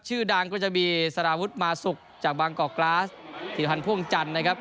ชื่อดังก็จะมีสารวุฒิมาสุกจากบางกอกกราสธิรพันธ์พ่วงจันทร์นะครับ